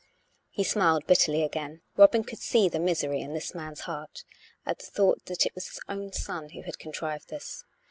He smiled bitterly again. Robin could see the misery in this man's heart at the thought that it was his own son who had contrived this.